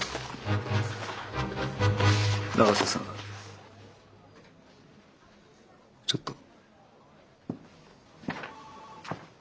永瀬さんちょっと。